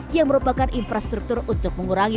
yang merupakan infrastruktur untuk mengurangi